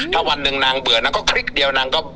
ถ้าวันหนึ่งนางเบื่อนางก็คลิกเดียวนางก็